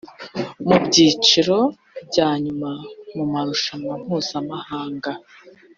mu byiciro bya nyuma mu marushanwa mpuzamahanga